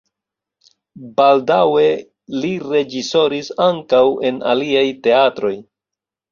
Baldaŭe li reĝisoris ankaŭ en aliaj teatroj.